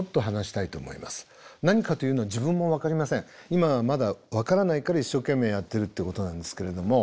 今はまだ分からないから一生懸命やってるってことなんですけれども。